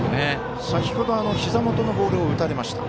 先ほどひざ元のボールを打たれました。